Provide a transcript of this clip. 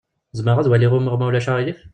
Zemreɣ ad waliɣ umuɣ, ma ulac aɣilif?